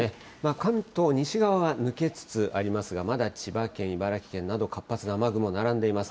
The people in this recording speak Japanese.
関東、西側は抜けつつありますが、まだ千葉県、茨城県など、活発な雨雲並んでいます。